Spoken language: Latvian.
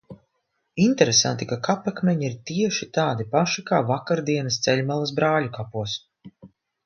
Interesanti, ka kapakmeņi ir tieši tādi paši kā vakardienas ceļmalas brāļu kapos.